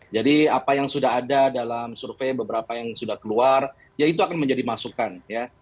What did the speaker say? jadi apa yang sudah ada dalam survei beberapa yang sudah keluar ya itu akan menjadi masukan ya